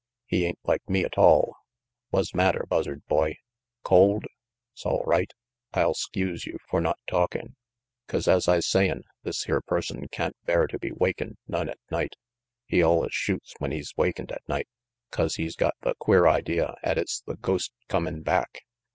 He ain't like me atoll wha's matter, Buzzard Boy? Cold? S'all right, I'll 'skuse you for not talkin', but as I's say in', this here person can't bear to be wakened none at night. He allus shoots when he's wakened at night, 'cause he's got the queer idea 'at it's the ghost comin' back.